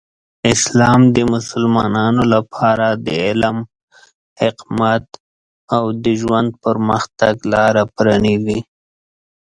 اسلام د مسلمانانو لپاره د علم، حکمت، او د ژوند پرمختګ لاره پرانیزي.